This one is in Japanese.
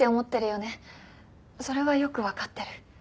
それはよくわかってる。